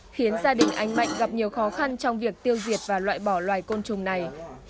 khiến gia đình anh mạnh gặp nhiều khó khăn trong việc tiêu diệt và loại bỏ loài côn trùng này